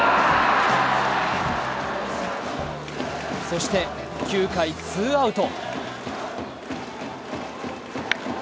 そして９回ツーアウト。